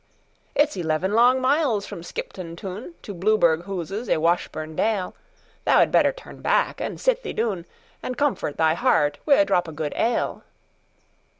"It 's eleven long miles from Skipton toonTo Blueberg hooses 'e Washburn dale:Thou had better turn back and sit thee doon, And comfort thy heart wi' a drop o' good ale."